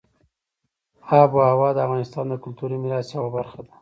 آب وهوا د افغانستان د کلتوري میراث یوه برخه ده.